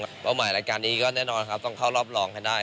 เพราะว่าใหม่รายการนี้ก็แน่นอนต้องเข้ารอบรองให้ได้